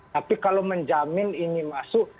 tapi kalau menjamin ini masuk